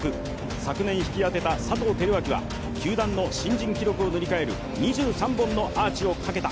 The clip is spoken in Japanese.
昨年引き当てた佐藤輝明は球団の新人記録を塗り替える２３本のアーチをかけた。